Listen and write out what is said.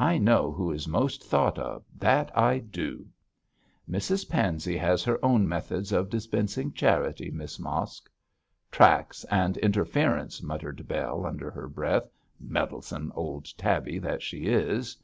I know who is most thought of; that I do!' 'Mrs Pansey has her own methods of dispensing charity, Miss Mosk.' 'Tracts and interference,' muttered Bell, under her breath; 'meddlesome old tabby that she is.'